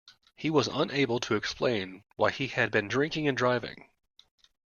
He was unable to explain why he had been drinking and driving